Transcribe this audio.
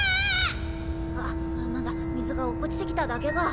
あっ何だ水が落っこちてきただけか。